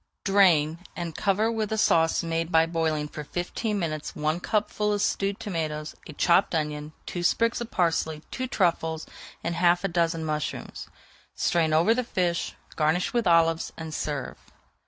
Drain, and cover with a sauce made by boiling for fifteen minutes one cupful of stewed tomatoes, a chopped onion, two sprigs of parsley, two truffles, and [Page 424] half a dozen mushrooms. Strain over the fish, garnish with olives, and serve.